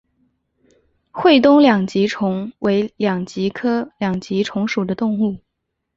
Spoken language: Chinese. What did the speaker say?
会东两极虫为两极科两极虫属的动物。